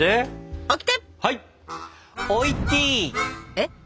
えっ？